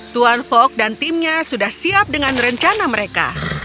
tuan fok dan timnya sudah siap dengan rencana mereka